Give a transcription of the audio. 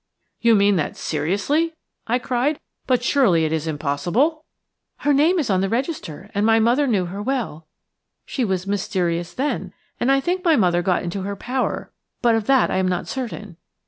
"You mean that seriously?" I cried. "But surely it is impossible?" "Her name is on the register, and my mother knew her well. She was mysterious then, and I think my mother got into her power, but of that I am not certain.